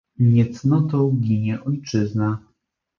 "Niecnotą ginie ojczyzna."